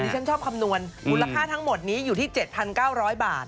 ฉันชอบคำนวณมูลค่าทั้งหมดนี้อยู่ที่๗๙๐๐บาท